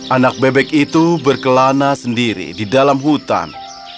anak bebek itu berkelana sendiri di dalam hutan